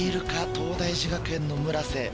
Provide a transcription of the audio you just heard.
東大寺学園の村瀬。